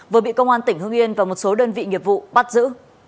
vừa bị công an tỉnh hương yên và một số đơn vị nghiệp vụ bắt giữ